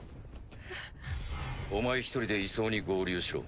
えっ？お前一人で移送に合流しろ。